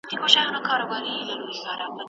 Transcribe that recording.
سرمایه داري د ټولني نظم او توازن خرابوي.